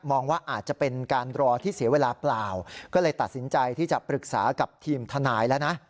ว่าอาจจะเป็นการรอที่เสียเวลาเปล่าก็เลยตัดสินใจที่จะปรึกษากับทีมทนายแล้วนะ